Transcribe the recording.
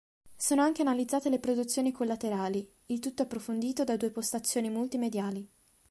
Sono anche analizzate le produzioni collaterali; il tutto approfondito da due postazioni multimediali.